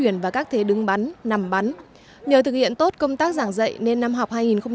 nhờ thực hiện tốt công tác giảng dạy nên năm học hai nghìn một mươi năm hai nghìn một mươi sáu